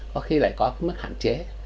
có khi lại có mức hạn chế